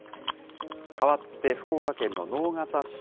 変わって福岡県の直方市。